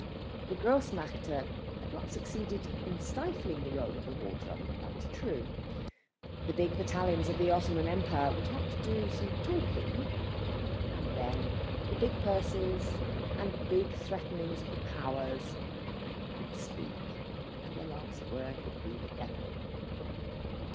The Grossmächte had not succeeded in stifling the roll of the war drum, that was true; the big battalions of the Ottoman Empire would have to do some talking, and then the big purses and big threatenings of the Powers would speak and the last word would be with them.